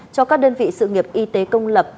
cho các đơn vị sự nghiệp y tế công lập